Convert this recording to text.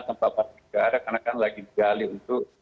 tanpa partikular karena kan lagi jali untuk